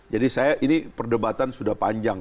jadi saya ini perdebatan sudah panjang